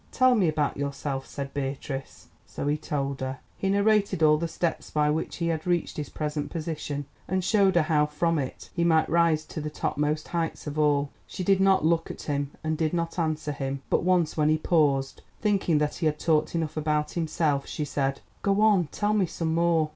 "Tell me about yourself," said Beatrice. So he told her. He narrated all the steps by which he had reached his present position, and showed her how from it he might rise to the topmost heights of all. She did not look at him, and did not answer him, but once when he paused, thinking that he had talked enough about himself, she said, "Go on; tell me some more."